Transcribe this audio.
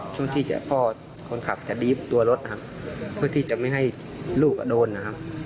ช่วงที่พ่อคนขับจะดีบตัวรถช่วงที่จะไม่ให้ลูกกระโดน